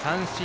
三振。